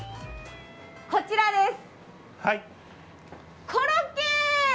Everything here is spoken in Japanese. こちらです。